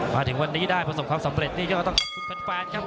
มาถึงวันนี้ได้ประสบความสำเร็จนี่ก็ต้องขอบคุณแฟนครับ